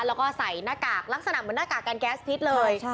แล้วก็ใส่หน้ากากลักษณะเหมือนหน้ากากกันแก๊สพิษเลย